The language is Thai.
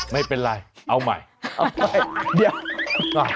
ไม่เป็นไรเอาใหม่